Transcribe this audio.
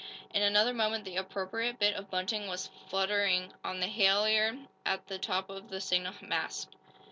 In another moment the appropriate bit of bunting was fluttering on the halliard at the top of the signal mast.